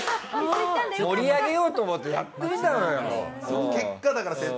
盛り上げようと思ってやってみたのようん。